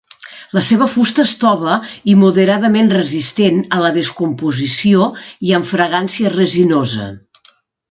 La seva fusta és tova i moderadament resistent a la descomposició i amb fragància resinosa.